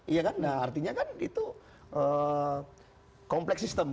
iya kan artinya kan itu kompleks sistem